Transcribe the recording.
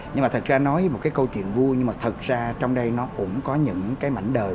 nhưng mà thật ra nói một cái câu chuyện vui nhưng mà thật ra trong đây nó cũng có những cái mảnh đời